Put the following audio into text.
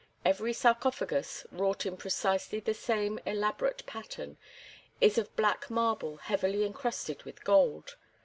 Every sarcophagus, wrought in precisely the same elaborate pattern, is of black marble heavily encrusted with gold.